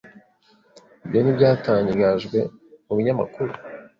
ibyo ni byatangajwe mu binyamakuru.